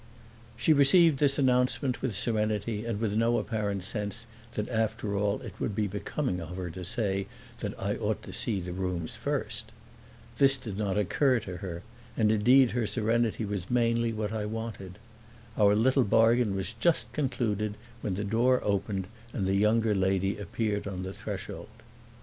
She received this announcement with serenity and with no apparent sense that after all it would be becoming of her to say that I ought to see the rooms first. This did not occur to her and indeed her serenity was mainly what I wanted. Our little bargain was just concluded when the door opened and the younger lady appeared on the threshold.